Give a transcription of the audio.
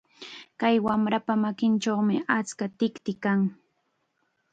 Kay wamrapa makinchawmi achka tikti kan.